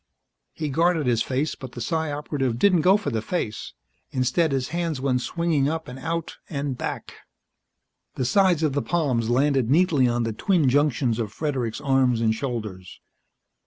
He guarded his face but the Psi Operative didn't go for the face. Instead his hands went swinging up and out and back. The sides of the palms landed neatly on the twin junctions of Fredericks' arms and shoulders.